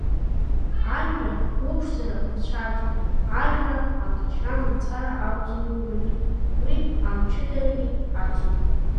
Ажәра, уԥшӡара уцәарӡуеит, ажәра акаҷра мацара акәӡам иунаҭоу, уи амчыдарагьы ацуп.